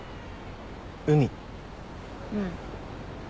うん。